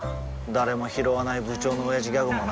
誰もひろわない部長のオヤジギャグもな